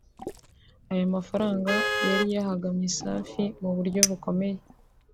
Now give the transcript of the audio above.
Aya mafaranga yari yahagamye Safi mu buryo bukomeye